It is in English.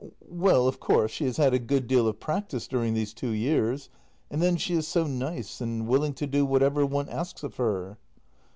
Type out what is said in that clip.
Well — of course she has had a good deal of practice during these two years. And then she is so nice and willing to do whatever one asks of her.